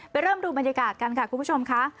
เริ่มดูบรรยากาศกันค่ะคุณผู้ชมค่ะ